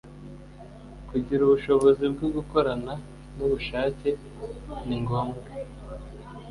kugira ubushobozi bwo gukorana nubushake ni ngombwa